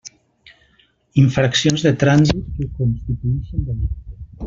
Infraccions de trànsit que constituïxen delicte.